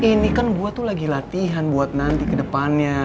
ini kan gue tuh lagi latihan buat nanti kedepannya